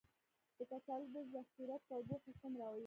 د کچالو د ذخیرې تودوخه څومره وي؟